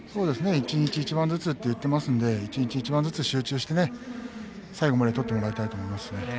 一日一番ずつと言っていますので一日一番ずつ集中して最後まで取ってもらいたいですね。